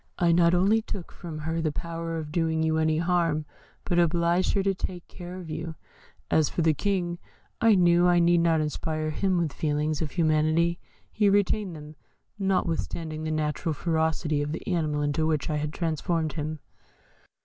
I not only took from her the power of doing you any harm, but obliged her to take care of you. As for the King, I knew I need not inspire him with feelings of humanity; he retained them, notwithstanding the natural ferocity of the animal into which I had transformed him."